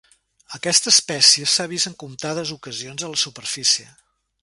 Aquesta espècie s'ha vist en comptades ocasions a la superfície.